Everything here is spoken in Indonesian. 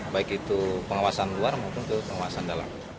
baik itu pengawasan luar maupun ke pengawasan dalam